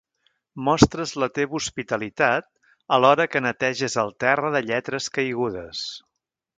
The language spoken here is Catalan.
Mostres la teva hospitalitat alhora que neteges el terra de lletres caigudes.